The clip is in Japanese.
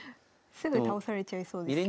すぐ倒されちゃいそうですけど。